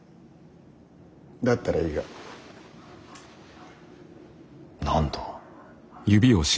だったらいいが。何だ。